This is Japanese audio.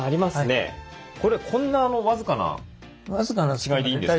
これこんな僅かな隙間でいいんですか？